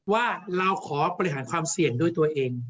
ว่าเราขอบริหารความเสี่ยงด้วยตัวเอง